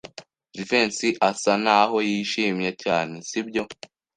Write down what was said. Jivency asa naho yishimye cyane, sibyo?